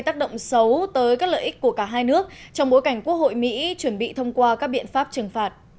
tác động xấu tới các lợi ích của cả hai nước trong bối cảnh quốc hội mỹ chuẩn bị thông qua các biện pháp trừng phạt